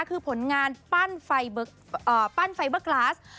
คือผลงานปั้นไฟเบอร์กลาส